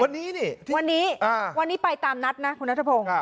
วันนี้นี่วันนี้ไปตามนัดนะคุณนัททะพง